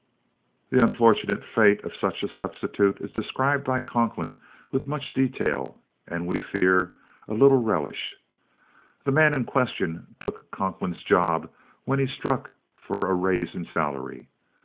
The unfortunate fate of such a substitute is described by Conklin with much detail and, we fear, a little relish. The man in question took Conklin's job when he struck for a raise in salary.